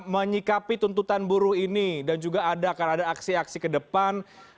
menyikapi tuntutan buruh ini dan juga akan ada aksi aksi ke depan